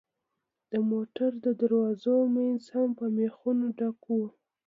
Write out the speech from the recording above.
د موټر د دروازو منځ هم په مېخونو ډکوو.